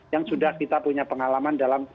yang sudah kita punya pengalaman dalam